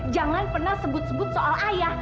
jangan pernah sebut sebut soal ayah